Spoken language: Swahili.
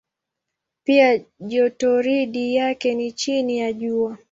Pia jotoridi yake ni chini ya Jua.